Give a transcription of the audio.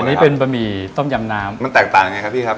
อันนี้เป็นบะหมี่ต้มยำน้ำมันแตกต่างยังไงครับพี่ครับ